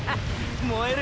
燃える！！